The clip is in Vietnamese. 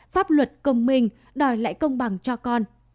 pháp luật công minh đòi lại công bằng cho con